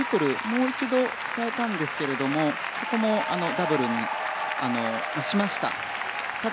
もう一度使えたんですがそこもダブルにしました。